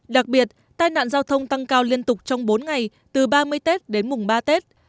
đặc biệt tai nạn giao thông tăng cao liên tục trong bốn ngày từ ba mươi tết đến mùng ba tết